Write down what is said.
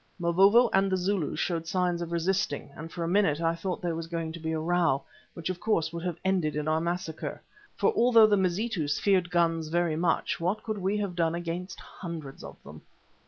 Mavovo and the Zulus showed signs of resisting and for a minute I thought there was going to be a row, which of course would have ended in our massacre, for although the Mazitus feared guns very much, what could we have done against hundreds of them?